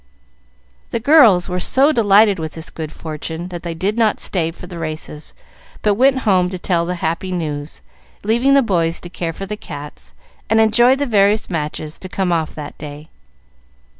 The girls were so delighted with this good fortune, that they did not stay for the races, but went home to tell the happy news, leaving the boys to care for the cats, and enjoy the various matches to come off that day.